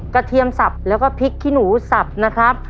เทียมสับแล้วก็พริกขี้หนูสับนะครับ